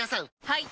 はい！